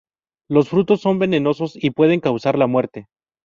Los frutos son venenosos y pueden causar la muerte.